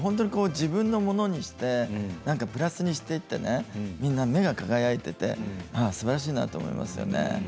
自分のものにしてプラスにしていってねみんな目が輝いていてすばらしいなと思いますよね。